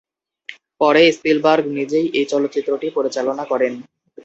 পরে স্পিলবার্গ নিজেই এই চলচ্চিত্রটি পরিচালনা করেন।